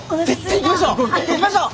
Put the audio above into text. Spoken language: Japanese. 行きましょう！